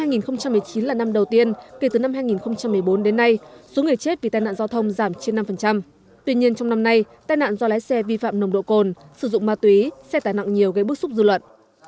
năm hai nghìn một mươi chín là năm đầu tiên kể từ năm hai nghìn một mươi bốn đến nay số người chết vì tai nạn giao thông giảm trên năm tuy nhiên trong năm nay tai nạn do lái xe vi phạm nồng độ cồn sử dụng ma túy xe tải nặng nhiều gây bức xúc dư luận